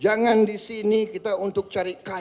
jangan di sini kita untuk cari kaya